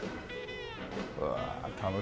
うわ楽しいね。